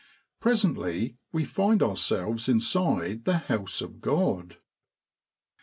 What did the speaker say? Presently we find ourselves inside the house of Grod.